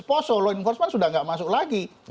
poso law enforcement sudah tidak masuk lagi